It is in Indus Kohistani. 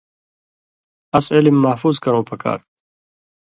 اس علم محفوظ کرؤں پکار تُھو۔